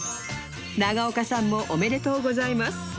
永岡さんもおめでとうございます